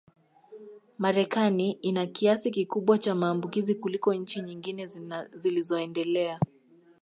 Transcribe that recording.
Marekani ina kiasi kikubwa cha maambukizi kuliko nchi nyingine zilizoendelea